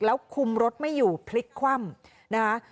แล้วคุมรถไม่อยู่พลิกคว่ำนะคะ